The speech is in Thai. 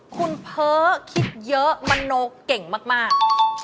คุณเพ้อคิดเยอะมโนเก่งมาก